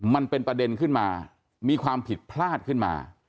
มันเป็นประเด็นขึ้นมามีความผิดพลาดขึ้นมา